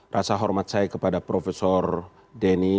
rasa hormat saya kepada profesor denny